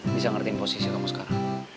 bisa ngertiin posisi kamu sekarang